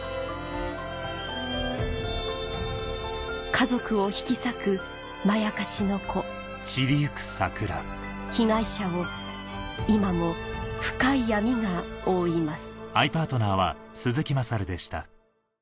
家族を引き裂くまやかしの子被害者を今も深い闇が覆います